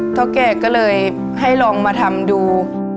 เท่าแก่ก็เลยให้ลองมาทำดู